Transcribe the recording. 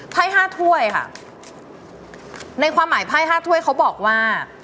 ไพ่ห้าถ้วยค่ะในความหมายไพ่๕ถ้วยเขาบอกว่า